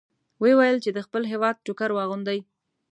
ویې ویل چې د خپل هېواد ټوکر واغوندئ.